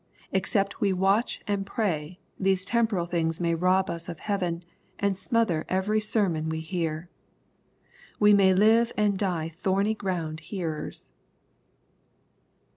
Except we watch and pray, these temporal things may rob us of heaven, and smother every sermon we hear. We may live and die thorny ground hearers.